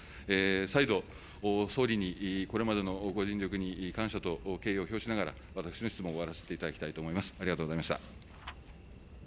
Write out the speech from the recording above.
再度、総理にこれまでのご尽力に感謝と敬意を表しながら、私の質問を終わらせていただきたいと思います。